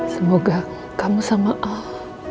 semoga kamu sama al